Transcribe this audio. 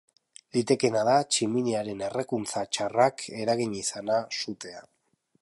Litekeena da tximiniaren errekuntza txarrak eragin izana sutea.